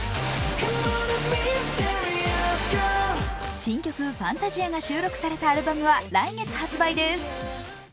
新曲「Ｆａｎｔａｓｉａ」が収録されたアルバムは来月発売です。